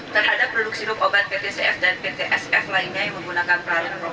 terhadap produk sirup obat pt cf dan pt sf lainnya yang menggunakan pelarian rokok